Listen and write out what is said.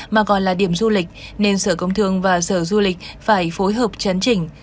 mà còn là điểm du lịch nên sở công thương và sở du lịch phải phối hợp chấn chỉnh